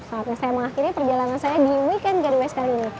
saatnya saya mengakhiri perjalanan saya di weekend getways kali ini